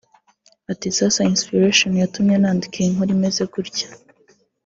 Ati “ Sasa inspiration yatumye nandika iyi nkuru imeze gutya